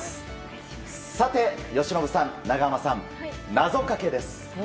由伸さん、長濱さん謎かけです。